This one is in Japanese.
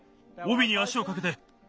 おびに足をかけて。